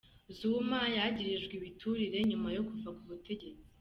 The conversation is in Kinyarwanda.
Zuma yagirijwe ibiturire inyuma yo kuva ku butegetsi.